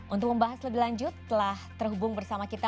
untuk membahas lebih lanjut telah terhubung bersama kita